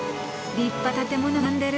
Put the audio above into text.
立派な建物が並んでる。